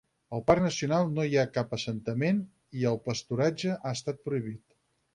Al parc nacional no hi ha cap assentament i el pasturatge ha estat prohibit.